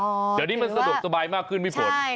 เดี๋ยวนี้มันสะดวกสบายมากขึ้นพี่ฝน